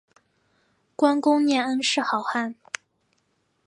观功念恩是好汉